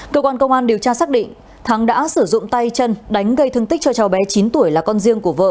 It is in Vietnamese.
cơ quan công an điều tra xác định thắng đã sử dụng tay chân đánh gây thương tích cho cháu bé chín tuổi là con riêng của vợ